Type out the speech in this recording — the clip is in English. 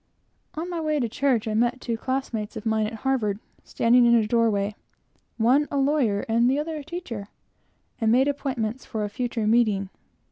On my way to church, I met two classmates of mine at Harvard standing in a door way, one a lawyer and the other a teacher, and made appointments for a future meeting.